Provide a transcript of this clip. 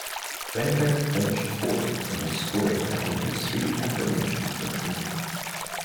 Renberg finished fourth in the scoring behind his three aforementioned countrymen.